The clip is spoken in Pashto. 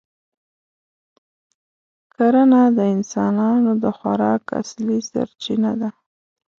کرنه د انسانانو د خوراک اصلي سرچینه ده.